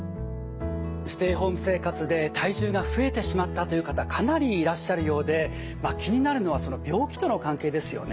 ステイホーム生活で体重が増えてしまったという方かなりいらっしゃるようで気になるのは病気との関係ですよね。